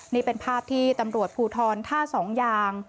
นี่เป็นภาพที่ตำรวจภูทรท่าสองยาง